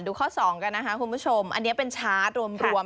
ข้อสองกันนะคะคุณผู้ชมอันนี้เป็นชาร์จรวม